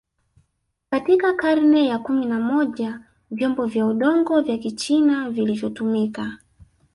Katika karne ya kumi na moja vyombo vya udongo vya kichina vilivyotumika